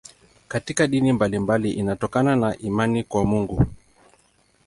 Katika dini mbalimbali inatokana na imani kwa Mungu.